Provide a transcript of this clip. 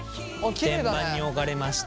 天板に置かれました。